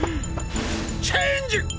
チェンジ！